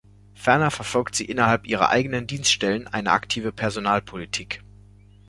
Ferner verfolgt sie innerhalb ihrer eigenen Dienststellen eine aktive Personalpolitik.